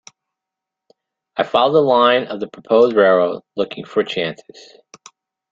I followed the line of the proposed railroad, looking for chances.